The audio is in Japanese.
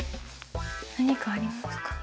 何かありますか？